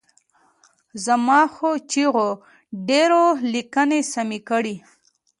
زما غو چیغو ډېرو لیکني سمې کړي.